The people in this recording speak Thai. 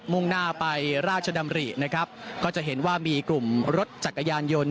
่งหน้าไปราชดำรินะครับก็จะเห็นว่ามีกลุ่มรถจักรยานยนต์